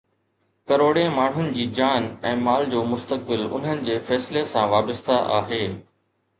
ڪروڙين ماڻهن جي جان ۽ مال جو مستقبل انهن جي فيصلي سان وابسته آهي.